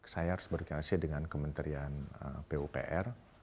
saya harus berkoordinasi dengan kementerian pupr